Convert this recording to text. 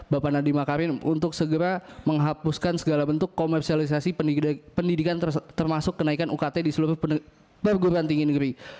bapak nadiem makarim untuk segera menghapuskan segala bentuk komersialisasi pendidikan termasuk kenaikan ukt di seluruh perguruan tinggi negeri